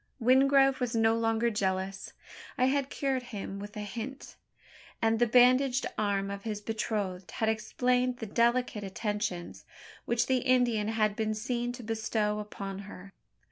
Wingrove was no longer jealous. I had cured him with a hint; and the bandaged arm of his betrothed had explained the delicate attentions, which the Indian had been seen to bestow upon her.